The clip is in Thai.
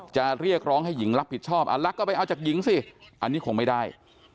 จะเรียกร้องให้หญิงรับผิดชอบรักก็ไปเอาจากหญิงสิอันนี้คงไม่ได้